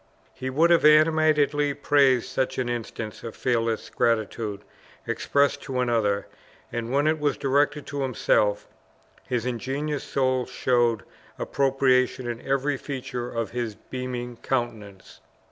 He would have animatedly praised such an instance of fearless gratitude expressed to another, and when it was directed to himself, his ingenuous soul showed approbation in every feature of his beaming countenance.